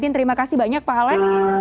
terima kasih banyak pak alex